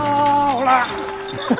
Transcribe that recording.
ほら。